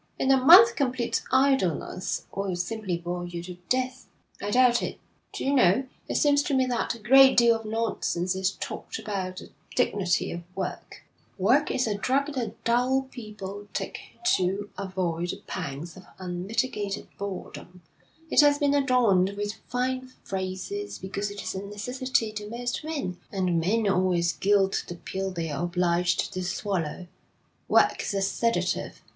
'In a month complete idleness will simply bore you to death.' 'I doubt it. Do you know, it seems to me that a great deal of nonsense is talked about the dignity of work. Work is a drug that dull people take to avoid the pangs of unmitigated boredom. It has been adorned with fine phrases, because it is a necessity to most men, and men always gild the pill they're obliged to swallow. Work is a sedative.